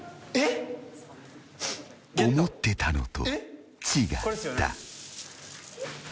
［思ってたのと違った］